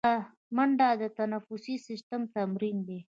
منډه د تنفسي سیستم تمرین دی